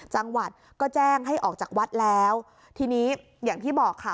จังหวัดก็แจ้งให้ออกจากวัดแล้วทีนี้อย่างที่บอกค่ะ